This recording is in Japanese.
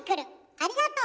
ありがとう。